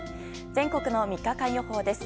全国の３日間予報です。